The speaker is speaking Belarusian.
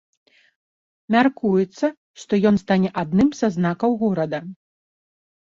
Мяркуецца, што ён стане адным са знакаў горада.